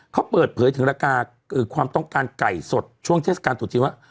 เขาเปิดเผยถึงราคาความต้องการไก่สดช่วงเทศกาลตรุษจีนว่า